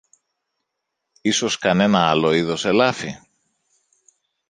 Ίσως κανένα άλλο είδος ελάφι;